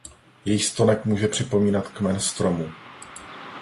Její stonek může připomínat kmen stromu.